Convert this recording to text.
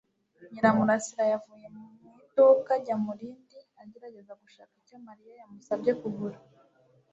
Nyiramurasira yavuye mu iduka ajya mu rindi agerageza gushaka icyo Mariya yamusabye kugura.